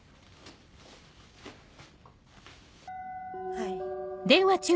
はい。